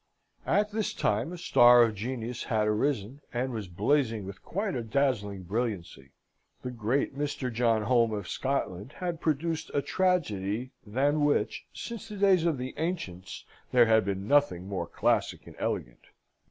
At this time a star of genius had arisen, and was blazing with quite a dazzling brilliancy. The great Mr. John Home, of Scotland, had produced a tragedy, than which, since the days of the ancients, there had been nothing more classic and elegant.